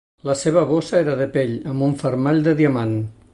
La seva bossa era de pell, amb un fermall de diamant.